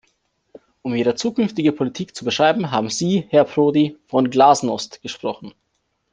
Um ihre zukünftige Politik zu beschreiben, haben Sie, Herr Prodi, von "Glasnost" gesprochen.